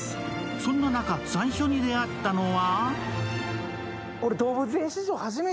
そんな中、最初に出会ったのは？